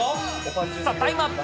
さあ、タイムアップ。